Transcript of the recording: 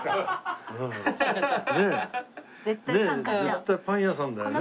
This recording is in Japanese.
絶対パン屋さんだよね。